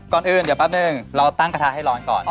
ก่อนอื่นเดี๋ยวแป๊บนึงเราตั้งกระทะให้ร้อนก่อน